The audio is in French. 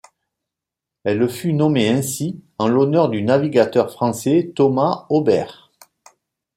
Elle fut nommée ainsi en l'honneur du navigateur français Thomas Aubert.